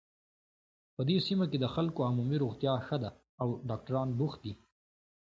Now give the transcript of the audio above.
په دې سیمه کې د خلکو عمومي روغتیا ښه ده او ډاکټران بوخت دي